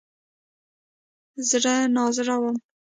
زړه نازړه وم.